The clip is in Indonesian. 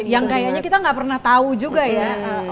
yang kayaknya kita gak pernah tau juga ya